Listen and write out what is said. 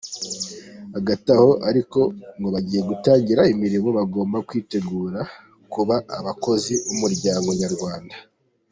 Hagati aho ariko ngo abagiye gutangira imirimo bagomba kwitegura kuba abakozi b’umuryango nyarwanda.